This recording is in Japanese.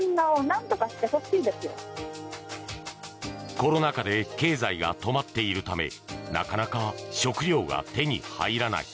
コロナ禍で経済が止まっているためなかなか食料が手に入らない。